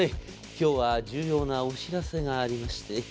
今日は重要なお知らせがありまして。」